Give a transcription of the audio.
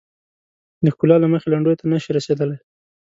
د ښکلا له مخې لنډیو ته نه شي رسیدلای.